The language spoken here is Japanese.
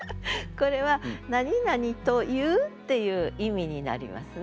これは「なになにという」っていう意味になりますね。